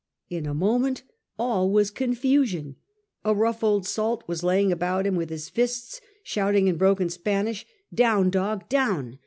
In a moment all was in confusion. A rough old salt was laying about him with his fists, shouting in broken Spanish, "Down, dog, down!"